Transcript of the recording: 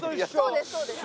そうですそうです。